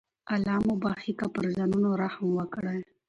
الله مو بخښي که پر ځانونو رحم وکړئ.